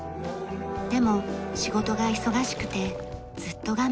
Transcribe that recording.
でも仕事が忙しくてずっと我慢していました。